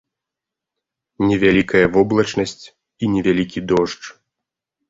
Невялікая воблачнасць і невялікі дождж.